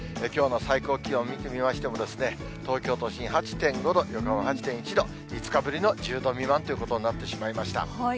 きょうの最高気温見てみましても、東京都心８．５度、横浜８．１度、５日ぶりの１０度未満ということになってしまいました。